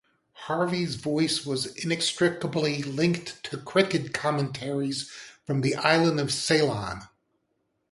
Harvie's voice was inextricably linked to cricket commentaries from the island of Ceylon.